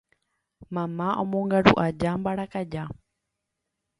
mamá omongaru aja mbarakaja